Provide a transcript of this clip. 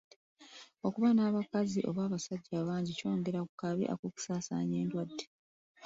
Okuba n'abakazi oba abasajja abangi kyongera ku kabi ak'okusaasaanya endwadde.